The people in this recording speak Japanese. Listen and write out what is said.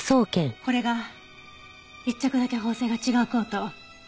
これが１着だけ縫製が違うコート。